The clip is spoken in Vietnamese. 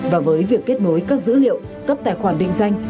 và với việc kết nối các dữ liệu cấp tài khoản định danh